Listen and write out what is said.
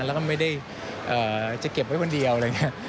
แล้วก็ไม่ได้จะเก็บไว้คนเดียวอะไรอย่างนี้